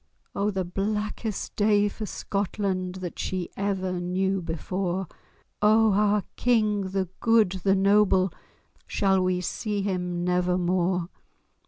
O the blackest day for Scotland That she ever knew before! O our King—the good, the noble, Shall we see him never more?